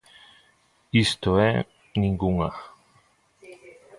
Isto é, ningunha.